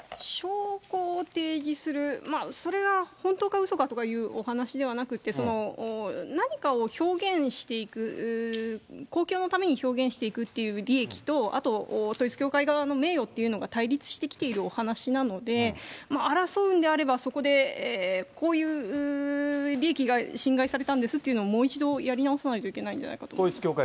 証拠を提示する、それが本当かうそかというお話ではなくて、何かを表現していく、公共のために表現していくっていう利益と、あと統一教会側の名誉というのが対立してきているお話しなので、争うんであれば、そこでこういう利益が侵害されたんですっていうのをもう一度やり直さないといけないんじゃないかと思います。